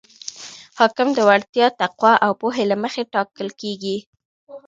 حاکم د وړتیا، تقوا او پوهې له مخې ټاکل کیږي.